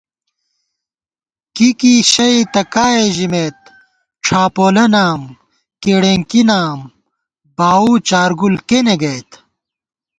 کِیکِی شئی تہ کائےژِمېت، ڄھاپولہ نام، کېڑېنکی نام، باؤو چارگُل کېنےگئیت